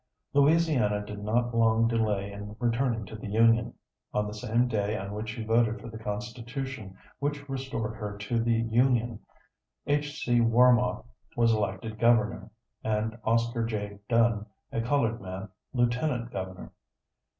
Louisiana did not long delay in returning to the Union. On the same day on which she voted for the constitution which restored her to the Union, H. C. Warmoth was elected governor, and Oscar J. Dunn, a colored man, Lieutenant Governor.